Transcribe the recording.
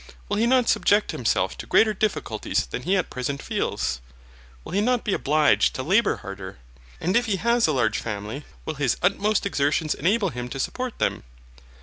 Will he not subject himself to greater difficulties than he at present feels? Will he not be obliged to labour harder? and if he has a large family, will his utmost exertions enable him to support them?